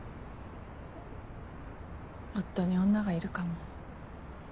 夫に女がいるかも。